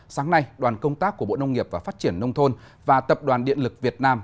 sáng nay đoàn công tác của bộ nông nghiệp và phát triển nông thôn và tập đoàn điện lực việt nam